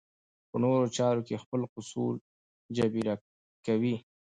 په نورو چارو کې خپل قصور جبېره کوي.